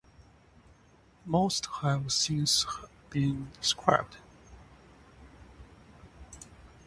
Most have since been scrapped.